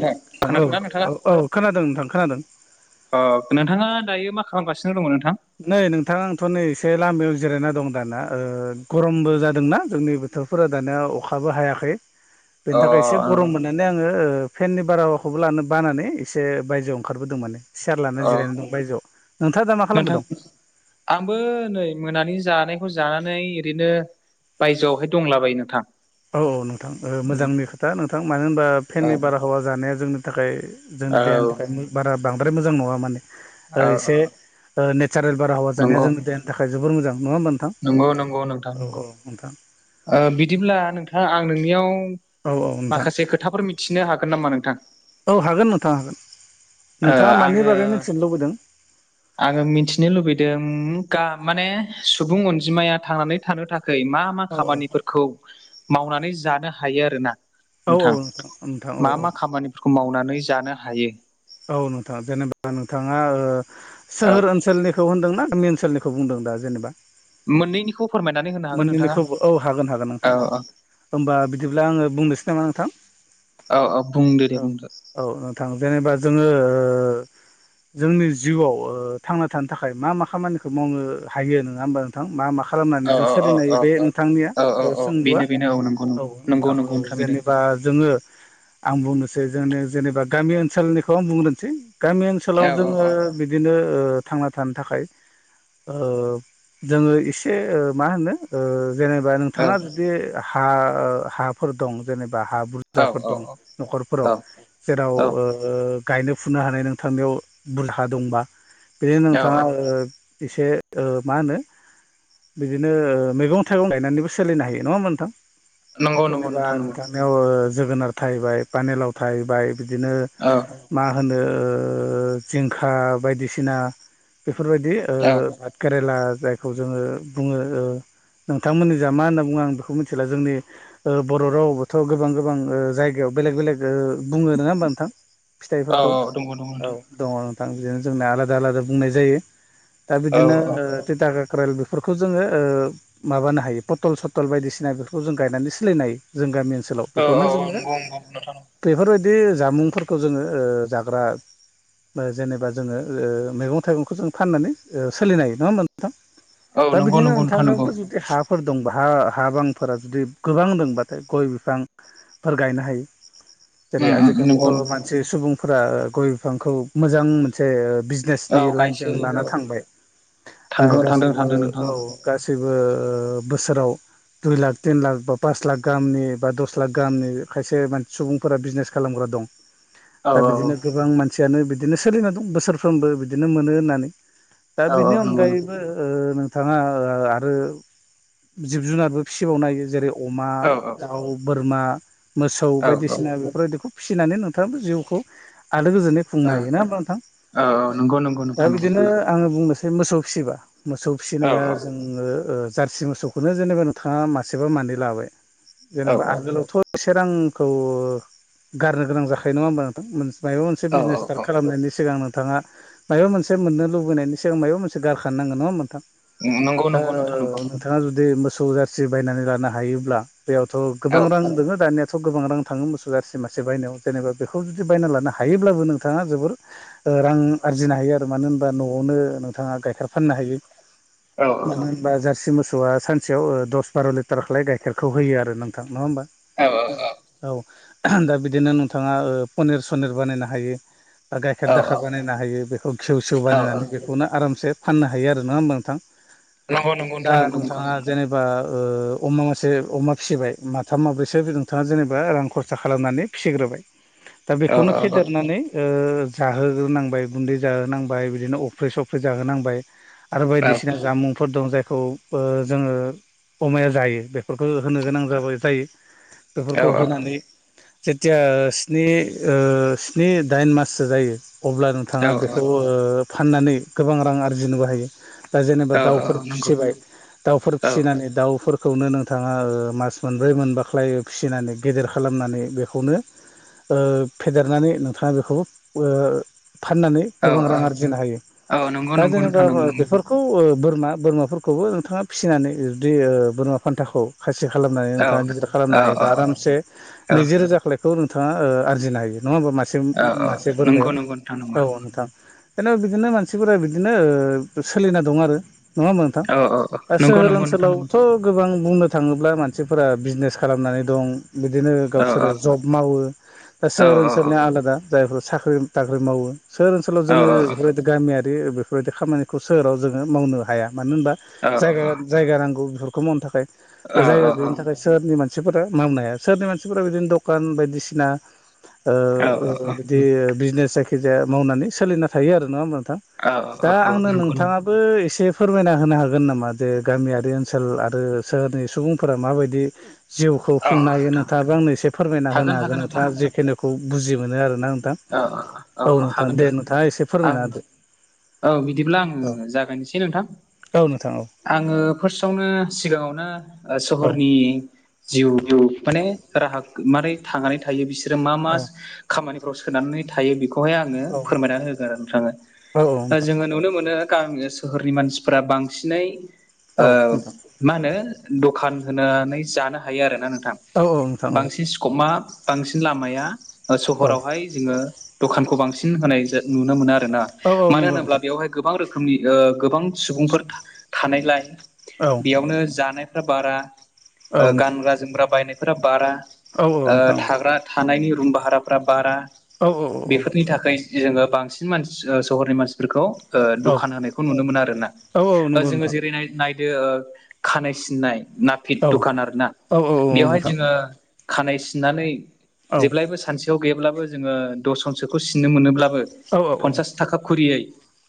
नोंथां औ खोनादोंना नोंथाङा औ औ खोनादों नोंथां खोनादों ओ नोंथाङा दायो मा खालामगासिनो दङ नोंथां नै नोंथां आंथ' नै एसे लामायाव जिरायना दं दाना ओ गरमबो जादोंना जोंनि फोरा दानिया अखाबो हायाखै [inaudible] बेनि थाखाय एसे गरम मोनो माने आङो ओ फेननि बारहावाखौबो लानो बानानै एसे बायजोआव ओंखारबोदों माने सियार लाना अ जिरायनानै दं बायजोआव नोंथाङा दा मा खालामबाय नोंथां दं आंबो नै मोनानि जानायखौ जानानै ओरैनो बायजोआवहाय दंलाबायायो नोंथां औ औ नोंथां मोजांनि खोथा नोंथां मानो होनबा औ फेननि बारहावा जानाया जोंनि थाखाय औ जोंनि देहानि थाखाय बारा बांद्राय मोजां नङा माने ओ औ एसे नेचारेल बारहावा जानाया नंगौ जों देनि थाखाय जोबोर मोजां नङा होमबा नोंथां नंगौ नंगौ नोंथां औ नंगौ। औ नोंथां बिदिब्ला नोंथां आं नोंनियाव औ औ नोंथां माखासे खोथाफोर मिथिनो हागोन नामा नोंथां औ हागोन नोंथां ओ नोंथाङा मानि आङो बागै मिथिनो लुबैदों [inaudible] आङो मिथिनो लुबैदों गा माने सुबुं अनजिमाया थांनानै थानो थाखाय मा मा मा औ औ खामानिफोरखौ मावनानै जानो हायो आरोना औ औ नोंथां नोंथां नोंथां औ मा औ मा खामानिफोरखौ मावनानै जानो हायो औ नोंथाङा जेनेबा नोंथाङा ओ औ सोहोर ओनसोलनि खौ होनदोंना मे ओनसोलनिखौ बुंदों दा जेनेबा मोननैनिखौ फोरमायनानै होनो हागोन नोंथाङा मोननैनिखौबो औ हागोन हागोन औ नोंथां औ हागोन होमबा बिदिब्ला आङो बुंनोसै नामा नोंथां औ औ बुंदो दे औ बुंदो औ थां जेनेबा जोङो ओ जोंनि जिउआव ओ थांना थानो थाखाय मा मा खामानिखौ मावनो हायो नङा होमबा नोंथां मा मा खालामनानै औ जों औ औ सोलिनायो औ बे नोंथांनिया औ औ औ बेनो सोंलुआ बेनो नंगौ औ नंगौ नंगौ नोंथां नंगौ औ बेनो जेनेबा जोङो आं बुंनोसै जोंनि जेनेबा गामि ओनसोलनिखौ आं बुंग्रोनोसै गामि ओनसोलाव औ औ जोङो बिदिनो ओ थांना थानो थाखाय ओ जोङो एसे ओ मा होनो ओ जेनेबा औ नोंथाङा जुदि हा ओ हाफोर दं जेनेबा हा बुरजा औ फुजाफोर दं औ न'खरफोराव जेराव औ ओ ओ गायनो फुनो हानाय नोंथांनियाव दुलहा दंबा बिदिनो नोंथाङा औ एसे ओ मा होनो बिदिनो ओ मैगं थाइगं गायनानैबो सोलिनो हायो नङा होमबा नोंथां। नंगौ नंगौ जेनेबा नोंथां नंगौ नोंथांनियाव जोगोनार थाहैबाय पानिलाव थाहैबाय बिदिनो औ मा होनो ओ जिंखा बायदिसिना बेफोरबायदि ओ औ भात केरेला जायखौ जोङो बुङो नोंथांमोननि जा मा होनना बुङो आं बेखौ मिथिला जोंनि बर' रावबोथ' गोबां गोबां जायगायाव बेलेग बेलेग बुङो नङा होमबा नोंथां औ फिथाइफोरखौ नंगौ नंगौ औ नोंथां दङ नोंथां बिदिनो जोंना आलादा आलादा बुंनाय जायो दा औ बिदिनो औ दागा क्रेल बेफोरखौ जोङो माबानो हायो पटल सटल बायदिसिना बेफोरखौ जों गायनानै सोलायनो हायो जों गामि ओनसोलाव औ बेखौनो जोङो नंगौ नंगौ नोंथां बेफोरबायदि जामुंफोरखौ जोङो जाग्रा जेनेबा जोङो मैगं थाइगंखौ जों फाननानै सोलिनो हायो नङा नोंथां औ दा नंगौ बिदिनो नंगौ नोंथां नंगौ नोंथांनावबो जुदि हा फोर दंब हा हा बांफोरा जुदि गोबां दंबाथाय गय बिफां फोर गायनो हायो जेरै उम उम नंगौ आजिखालिथ' नंगौ मान सि सुबुंफोरा गय बिफांखौ मोजां मोनसे औ बिजनेसनि लाइनजों गायसोयो लाना औ थांबाय थांगौ थांदों गासैबो थांदों नोंथां औ। गासैबो बोसोराव दुइ लाख तिन लाख बा पास लाख गाहिनि बा दस लाख गाहामनि खायसेान सुबुंफोरा बिजनेस खालामग्रा दं। औ दा बिदिनो गोबां मानसियानो बिदिनो सोलिना दं बोसोरफ्रोमबो बिदिनो मोनो होननानै। दा औ औ बिनि नंगौ अनगायैबो ओ नों बिथाङा आरो जिब जुनारबो फिसिबावनो हायो जेरै अमा औ दाव बोरमा मोसौ औ बायदिसिना बेफोरबायदिखौ फिसिनानै नोंथाङाबो जिउखौ आलो गोजोनै औ खुंनो हायो नङा होमब्ला नोंथां औ नंगौ नंगौ दा नोंथां नंगौ बिदिनो आङो बुंनो म मोसौ फिसिबा मोसौ औ फिनाया आो जारसि मोसौखौनो जेनेबा नोंथाङा मासेबा मानै लाबाय औ जेनेबा औ आगोलावथ' एसे रांखौ गारनो गोनां जाखायो नङा होमबा नोंथांमोन मायबा मोनसे औ बिजनेस औ स्टार्ट खालामनायनि सिगांनो नोंथाङा माबा मोनसे मोननो लुबैनायनि सिगां माबा मोनसे गारखानो नांगोन नङा नोंथां नंगौ औ नंगौ नोंथां नंगौ बिथाङा जुदि मोसौ जारसि बायनानै लानो हायोब्ला बेयावथ' औ गोबां रां दङो दानियाथ' गोबां रां थाङो मोसौ जारसि मासे बायनायाव जेनेबा बेखौ जुदि बायना लानो हायोब्लाबो नोंथाङा जोबोर रां आरजिनो हायो आरो मानो होनबा न'आवनो नोंथाङा गाइखेर फाननो हायो नंगौ मानो होनबा जारसि मोसौआ सानसेयाव दस बार' लिटार खालाय गाइखेरखौ होयो आरो नोंथां नङा होमबा औ दा बिदिनो नोंथाङा पनिर सनिर बानायनो हायो बा गाइखेर दाखेर बानायनो हायो बेखौ गेव सेव बानायनानै बेखौनो आरामसे। फाननो हायो आरो नङा होमबा नोंथां नंगौ दा नोंथां नंगौ नंगौ नोंथाङा औ जेनेबा बा अमा मासे अमा फिसिबाय माथाम माब्रैसो नोंथाङा जेनेबा रां खरसा खालामनानै फिसिग्रोबाय दा बेखौनो औ फेदेरनानै जाहोनांबाय गुन्दै जाहोनांबाय बिदिनो अफ्रि सफ्रि जाहोनांबाय आरो बायदिसिना जामुंफोर दं जायखौ जोङो अमाया जायो बेफोरखौ होनो गोनां जाबाय जायो। बेफोरखौ औ होनानै जेथिया स्नि स्नि दाइन माससो जायो अब्ला औ नोंथाङा बेखौ फाननानै गोबां रां आरजिनोबो हायो। दा जेनेबा औ दाउफोर औ नंगौ फिसिबाय दाउफोर औ फिसिनानै दाउफोर खौनो नोंथाङा मास मोनब्रै मोनबाख्लायो फिसिनानै गेदेर खालामनानै बेखौनो ओ फेदेरनानै नोंथाङा बेखौबो फाननानै औ गोबां रां आरजिनो हायो औ नंगौ दा नंगौ जेनेबा नोंथां नंगौ नंगौ बेफोर खौ बोरमा बोरमाफोरखौबो नोंथाङा फिसिनानै जुदि बोरमा फान्थाखौ खासि खालामनानै नोंथाङा गिदिर औ खालामनो औ औ हायोबा आरामसे औ नैजि रोजा खौ नोंथाङा आरजिनो हायो नङा होमबा मासे औ मासे नंगौ बोरमायाव नंगौ नोंथां नंगौ औ औ नंगौ नोंथां। जेन'बा बिदिनो मानसिफोरा बिदिनो सोलिना दं आरो। नङा मोनथां औ औ औ दा नंगौ सोहोर नंगौ नोंथां नंगौ ओनसोलावथ'। गोबां बुंनो थाङोब्ला मानसिफोरा बिजनेस खालामनानै दं बिदिनो औ गावसोर। औ जब मावो दा औ सहोर ओनसोलनि आलादा जायफोर साख्रि बाख्रि मावो। सोहोर ओनसोलाव औ जोङो बेफोरबायदि गामियारि बेफोरबायदि खामानिखौ सोहोराव जोङो मावनो हाया मानो होनबा? औ जाया जायगा नांगौ बेफोरखौ मावनो थाखाय दा जायगा गैयिनि थाखाय। सोरनि मानसिफोरा मावानो हाया सोरनि मानसिफोरा बिदिनो दखान बायदिसिना। औ ओ बिदि बिजनेस जायखिजाया मावनानै सोलिना थायो आरो नङा होमब्ला नोंथां? औ औ दा औ आंनो नंगौ नंगौ नोंथाङा। बो एसे फोरमायना होनो हागोन नामा जे गामियारि ओनसोल आरो सोहोरनि सुबुंफोरा माबायदि। जिउखौ औ खुंनो औ हायो नोंथां नोंथाङा बा आंनो एसे फोरमायना होनो हागोन नोंथाङा जिखिनिुखौ बुजि मोनो आरोना नोंथां। औ औ नोंथां दे नोंथाङा एसे आं फोरमायना होदो। औ बिदिब्ला आङो जागायनोसै नोंथां। औ औ नोंथां औ। आङो फार्स्टआवनो सिगाङावनो ओ औ औ सहरनि जिउ माने राहा माने थांनानै थायो बिसोरो मा मा खामानि सोनानै थायो बेखौहाय आङो फोरमायना होगोन नों थाङो औ औ ओ जोङो नुनो मोनो गामि ओन सोहोरनि मानसिफोरा बांसिनै ओ नोंथां औ नोंथां मा होनो दखान होनानै जानो हायो आरोना नोंथां औ नोंथां बांसिन स्कपा बांसिन लामाया ओ औ सहरावहाय जोङो दखानखौ बांसिन होनाय जा नुनो मोनो आरो आरोोना औ मानो नंगौ होनोब्ला नोंथां बेवहाय गोबां रोखोमनि ओ गोबां सुबुंफोर थानायलाय औ बेयावनो जानायफ्रा बारा औ नोंथां गानग्रा ओ जोमग्रा बायनायफोरा बारा। औ औ ओ नोंथां औ थाग्रा थानायनि रुम भाहाराफ्रा बारा औ बेफोरनि थाखाय। जे जोङो बांसिन मानसि ओ सहरनि मानसिफोरखौ। ओ औ दखान होनायखौ नुनो मोनो आरो ना औ औ नंगौ जोङो नोंथां जेरै नायदो खानाय सिननाय नाफिट औ दखान आरो ना औ औ बेवहाय नोंथां जोङो खानाय सिननानै औ औ जेब्लायबो स खायाव गैयाब्लाबो जोङो दस जनसोखौ सिननो मोनोब्लाबो। औ पन्सास थाखा खुरियै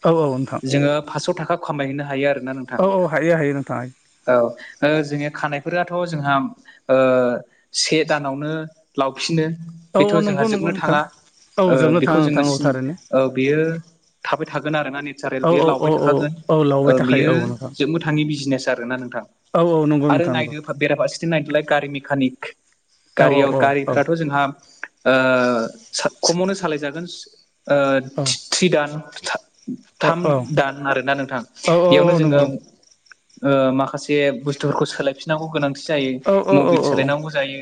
औ औ नोंथां जोङो फास्स' थाखा खामायहैनो हायो आरो। औ औ हायो हायो नोंथां। औ जोंङनि खानायफोराथ' जोंहा ओ से दानावनो लावफिनो बेथ' औ औ जोंहा नंगौ नंगौ जोबनो नोंथां थाङा। औ जोबनो बेखौ थाङा नोंथां जोङोनो औ सिननो थारैनो औ बेयो थाबाय थागोन आरो ना नेचारेल औ बेयो औ औ लावबाय औ थाखागोन औ ओ लावबाय बेयो थाखायो औ नोंथां जोबनो थाङा थांङि बिजनेस आरो ना नोंथां औ औ नंगौ आरो नोंथां नंगौ नायदो बेराफारसेथिं नायदोलाय गारि मेकानिक औ गारियाव औ गारिफोराथ' जोंहा ओ साबखमावनो सालायजागोन ओ औ थ्रि दान औ थाम दान आरोना नोंथां औ बेयावनो औ जोङो नंगौ ओ माखासे बुस्थुफोरखौ सोलायफिननांगौ गोनां थि जायो औ औ मबिल सोनांगौ जायो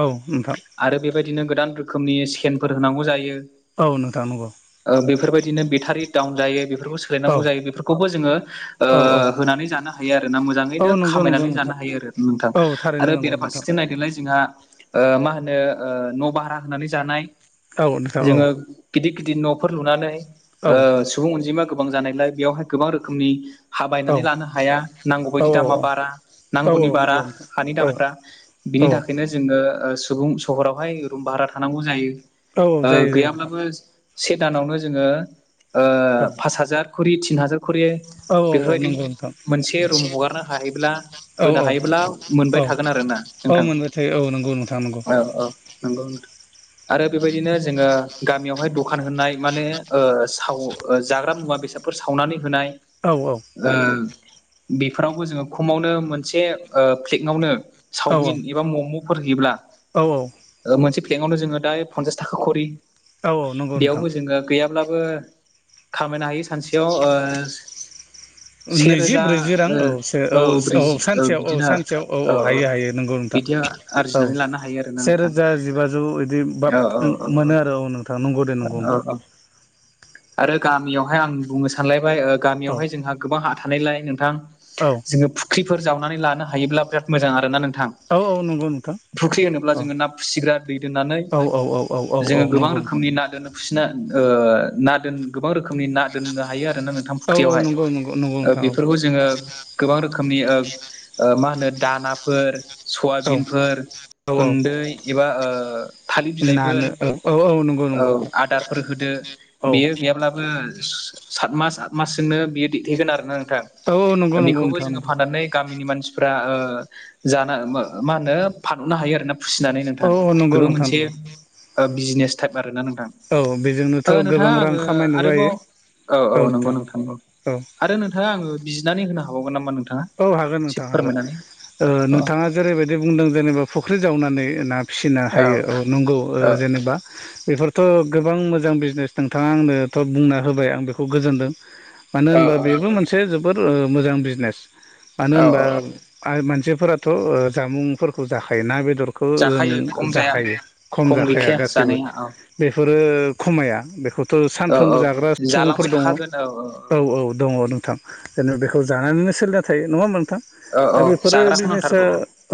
औ नोंथां आरो बेबायदिनो गोद रोखोमनि स्केनफोर होनांगौ जायो। औ नोंथां नगौ। ओ बेफोरबायदिनो बेटारि डाउन जायो बेफोर बेफोरखौ औ सोलायनांगौ जायो बेफोरखौबो जोङो ओ औ औ होनानै जानो हायो आरो ना औ मोजाङैनो नंगौ नंगौ खामायनानै नोंथां जानो हायो आरो। नोंथां औ थारैनो आरो नंगौ नोंथां बेराफारसेथिं नायदोलाय जोंहा ओ मा होनो ओ न' भारा होनानै जानाय औ नोंथां औ जोङो गिदिर गिदिर न'फोर लुनानै औ ओ सुबुं अनजिमा गोबां जानायलाय बेयावहाय गोबां रोखोमनि हा औ बायनानै लानो हाया नांगौ औ बदि दामा बारा औ औ नांगौनि बारा नंगौ नोंथां हानि औ दामफ्रा बिनि औ थाखायनो जोङो ओ सुबुं सहरावहाय रुम भारा थानांगौ जायो। औ जायो जायो नोंथां गैयाब्लाबो से दानावनो जोङो औ पास हाजार खरि तिन हाजार खरि औ औ बेफोरबायदि नंगौ नोंथां मोनसे रुम हगारनो हायोब्ला औ होनो औ हायोब्ला मोनबाय औ थागोन आरो ना। औ मोनबाय थायो औ नंगौ नोंथाङा नंगौ अ नांगौ आरो बेबायदिनो जोङो गामियावहाय दखान होनाय माने साव जाग्रा मुवा बेसाद बेफोर सावनानै होनाय औ औ बेफोरावबो जोङो खमावनो मोनसे फ्लेगआवनो चावमिन एबा मम'फोर हैयोब्ला औ औ मोनसे प्लंकआवनो जोङो दा पन्सास थाखा खरि औ नंगौ नोंथां बेयावबो जोङो गैयाबा थब्लाबो खामायनो हायो सानसेयाव नैजि सेेरोजा ब्रैजि रां ओ औ स औ औ सानसेयाव औ सानसेयाव औ औ हायो हायो नंगौ नोंथां। बिदि औ आरजिनानै लानो हायो आरोना से नोंथां रोजा जिबा जौ बिदि बाब औ औ मोनो आरो औ नोंथां नंगौ दे नंगौ औ नोंथां औ आरो गामियावहाय आं बुंनो सानलायबाय औ गामियावहाय जोंहा गोबां हा थानायलाय नोंथां औ जोङो फुख्रिफोर जावनानै लानो हायोब्ला बिराद मोजां आरोना नों औ औ नंगौ नोंथां फुख्रि होनोब्ला औ जोङो ना फिसिग्रा औ औ औ औ जो औ गोबां नंगौ नोंथां रोखोमनि ना दोन फुसि ना दोन गोबां रोखोमनि ना दोननो हायो आरोोना नोंथां औ औ फुख्रियावहाय नंगौ नंगौ नंगौ नोंथां औ बेफोरखौ जोङो गोबां रोखोमनि मा होनो दानाफोर औ सयाबिनफोर औ औ गुन्दै एबा थालिर नानो बिलाइफोर औ औ नंगौ औ नंगौ नोंथां आदारफोर होदो औ बेयो गैयाब्लाबो सात मास आत मासजोंनो बियो दैथायेगोन आरोोना औ औ नंगौ नोंथां नंगौ बेखौबो नोंथां जोङो नंगौ फाननानै गामिनि मानसि फ्रा जान मा होनो फानहरनो हायो आरो ना फिसिनानै औ नोंथां। औ नंगौ बेबो नोंथां मोनसे नंगौ बिजनेस टाइप आरोना नों औ बेजोंनोथ' नोंथाङा गोबां रां आङो खामायनोबो आरोबाव हायो औ औ नंगौ नोंथां औ आरो नोंथाङा आङो दिनानै होन हावगोन नामा नों औ हागोन नोंथां हागोन औ नोंथाङा जेरैबायदि बुंदों जेनेबा फुख्रि जावनानै ना फिसिनो हायो औ नंगौ औ जेनेबा बेफोर थ' गोबां मोजां बिजनेस नोंथाङा आंनोथ' बुंना होबाय आं बेखौ गोजोनदों। मानो औ होनबा औ बेबो नोंथां मोनसे जोबोर मोजां बिजनेस मानो औ होनबा औ औ आरो मानसिफोराथ' जामुंफोरखौ जाखायोना बेदर खौ जों जाखायो खम जाया जाखायो खम जाखाया गैखाया गासैबो जानाया औ बेफोरो खमाया बेखौ थ' औ औ सानफ्रोमबो जाग्रा सुबुंफोर दङ औ औ दङ नोंथां। जेनब बेखौ जानानैनो सोलिना थायो नङा मोनथां औ दा औ बेफोरो जाग्राखौ बिजनेसा नांथारगौ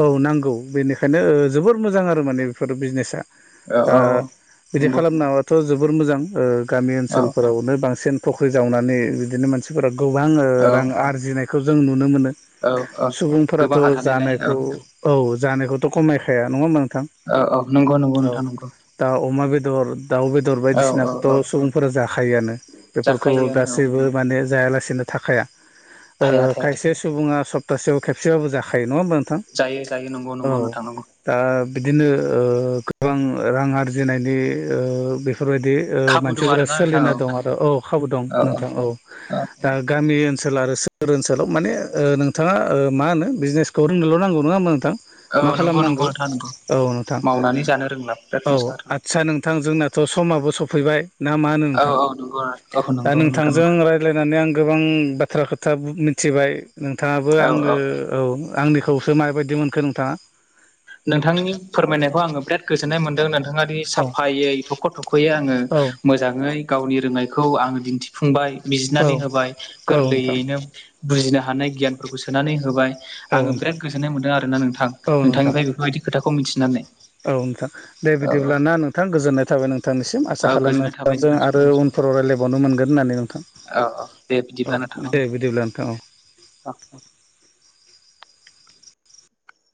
औ नांगौ बेनिखायनो जोबोर मोजां आरो माने बेफोरो बिजनेसा औ औ दा औ औ बिदि नंगौ खालामनांगौ आरो। थ' जोबोर मोजां गामि औ ओनसोलफोरावनो बांसिन फख्रि जावनानै बिदिनो मानसि फोराव गोबां औ रां आरजिनायखौ जों नुनो मोनो। औ औ सुबुंफोराथ' गोबां हा थानायलाय औ जानायखौ औ जानायखौथ' खमायखाया नङा होमबा नोंथां? औ औ नंगौ नंगौ औ नोंथां नंगौ दा अमा बेदर दाउ बेदर औ औ औ बायदिसिनाखौथ' सुबुंफोरा जाखायोआनो बेफोरखौ जाखायोआनो औ गासैबो माने जायालासिनो थाखाया थाया थाया थाया खायसे सुबुङा सप्तासेयाव खबसेबाबो जाखायो नङा होनबा मा नोंथां? जायो जायो नंगौ औ नंगौ नोंथां नांगौ दा बिदिनो गोबां रां आरजिनायनि बेफोरबायदि खाबु दं मानसिफोरा आरोना नोंथां सोलिना औ दं आरो औ खाबु दं नोंथां औ औ दा गामि ओनसोल आरो सोहोर ओनसोल सेल' माने नोंथाङा मा होनो बिजनेसखौ रोंनोल' नांगौ नङा होमा नोंथां? औ मा नंगौ नंगौ खालामनांगौ नोंथां नंगौ औ नोंथां मावनानै जानो रोंला बिराद औ मोजां आरो आदसा नोंथां जोंना थ' समाबो सफैबाय ना मा होनो औ नोंथां औ नंगौ औ दा नंगौ नोंथां नोंथांजों नंगौ रायलायनानै आं गोबां बाथ्रा खोथा मिथिबाय नोंथाङाबो औ आंनो औ औ। आंनिखौसो माबायदि मोनखो नोंथाङा? नोंथांनि फोरमायनायखौ आङो बिराद गोजोननाय मोन्दों। दाङि औ साफायै थख' थख'यै आङो औ मोजाङै गावनि रोंनायखौ आङो दिन्थिफुंबाय औ बिजिरनानै होबाय औ नोंथां गोरलैयैनो बुजिनो हानाय गियानफोरखौ सोनानै होबाय औ आङो बिराद नोंथां गोजोन्नाय मोन्दों आरोना नोंथां औ नोंथां नोंथांनिफाय बेफोरबायदि खोथाखौ मिथिनानै औ नोंथां दे औ औ बिदिबब्लााना नोंथां गोजोननाय थाबाय नोंथांनिसिम आसा औ खालाम गोजोननाय थाबाय नोंथांजों नोंथांसिम आरो उन फाव रायलायबावनो मोनगोन होननानै नोंथां। औ औ दे औ बिदिब्ला नोंथां। दे बिदिब्ला नोंथां औ। औ